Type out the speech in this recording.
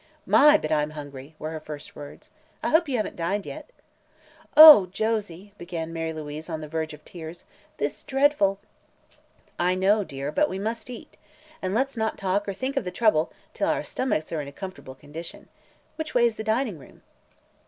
"My, but I'm hungry!" were her first words. "I hope you haven't dined yet?" "Oh, Josie," began Mary Louise, on the verge of tears, "this dreadful " "I know, dear; but we must eat. And let's not talk or think of the trouble till our stomachs are in a comfortable condition. Which way is the dining room?"